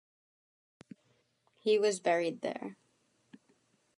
He was buried there.